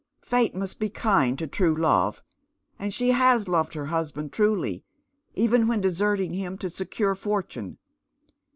Fate must be kind to true love, and she has loved her husband tnily, even when deserting him to secure fortune.